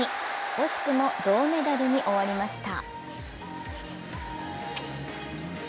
惜しくも銅メダルに終わりました。